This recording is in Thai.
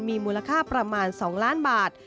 มีมูลค่าประมาณ๒ล้านบาท